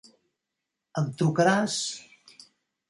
Em trucaràs?